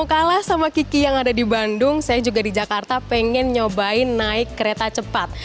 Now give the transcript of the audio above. kalah sama kiki yang ada di bandung saya juga di jakarta pengen nyobain naik kereta cepat